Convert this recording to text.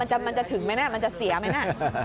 เออแต่เว้มมันจะถึงไหมนะมันจะเสียไหมนะ